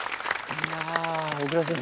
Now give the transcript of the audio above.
いや小椋先生